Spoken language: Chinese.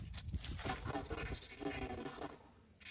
找不到真实世界中的依靠